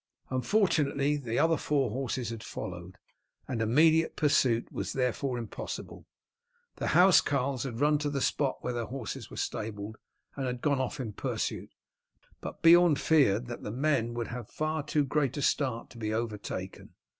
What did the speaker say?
Unfortunately the other four horses had followed, and immediate pursuit was therefore impossible. The housecarls had run to the spot where their horses were stabled and had gone off in pursuit, but Beorn feared that the men would have far too great a start to be overtaken.